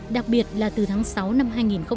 đặc biệt là từ tháng sáu năm hai nghìn một mươi chín